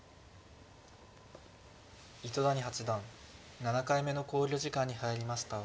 糸谷八段７回目の考慮時間に入りました。